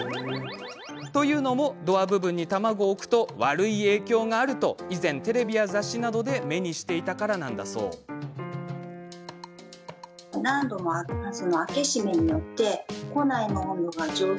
というのも、ドア部分に卵を置くと悪い影響があるって以前、テレビや雑誌などで目にしていたからだそうです。